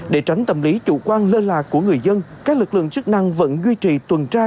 để tránh tâm lý chủ quan lơ là của người dân các lực lượng chức năng vẫn duy trì tuần tra